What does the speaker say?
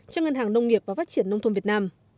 cho ngân hàng nông nghiệp và phát triển nông thôn việt nam